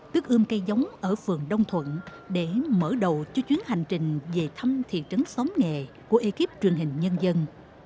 tức ươm cây giống ở phường đông thuận để mở đầu cho chuyến hành trình về thăm thị trấn xóm nghề của ekip truyền hình nhân dân